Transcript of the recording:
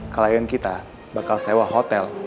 klien kita bakal sewa hotel